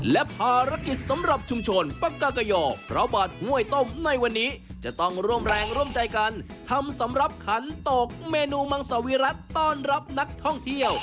และภารกิจสำหรับชุมชนปะกากย่อเพราะบาทห้วยต้มในวันนี้จะต้องร่วมแรงร่วมใจกันทำสำหรับขันตกเมนูมังสวิรัติต้อนรับนักท่องเที่ยว